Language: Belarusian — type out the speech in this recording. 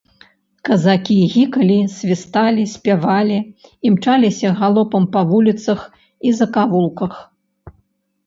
Казакі гікалі, свісталі, спявалі, імчаліся галопам па вуліцах і закавулках.